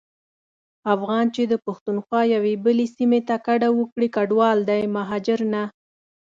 افغان چي د پښتونخوا یوې بلي سيمي ته کډه وکړي کډوال دی مهاجر نه.